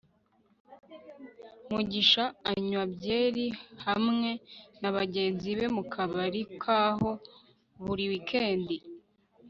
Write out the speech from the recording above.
mugisha anywa byeri hamwe nabagenzi be mukabari kaho buri wikendi